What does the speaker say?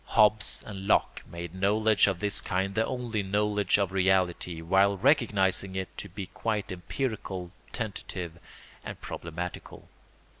Hobbes and Locke made knowledge of this kind the only knowledge of reality, while recognising it to be quite empirical, tentative, and problematical.